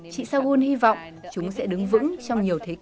chị saghul hy vọng chúng sẽ đứng vững trong nhiều thế kỷ